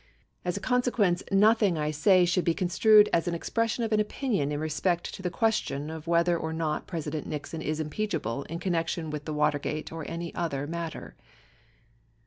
As a consequence, nothing I say should be construed as an expression of an opinion in respect to the question of whether or not President Nixon is impeachable in connection with the Watergate or any other matter.